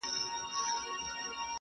خو درد د ذهن له ژورو نه وځي هېڅکله,